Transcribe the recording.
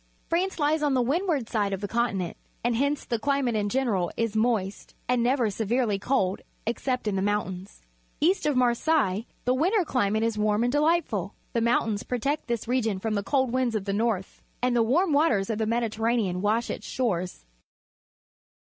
France lies on the windward side of the continent, and hence the c lima te^ in general, is moist^, and ne ver severely cold, except in the mountains. East of ^larseilles the winter climate is warm and delightful. The mountains protect this region from the cold winds of the north, and the warm waters of the Mediterranean wash its shores.